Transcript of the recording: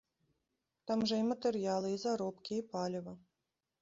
Там жа і матэрыялы, і заробкі, і паліва.